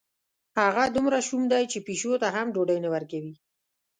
هغه دومره شوم دی، چې پیشو ته هم ډوډۍ نه ورکوي.